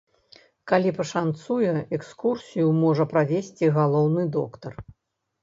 Калі пашанцуе, экскурсію можа правесці галоўны доктар.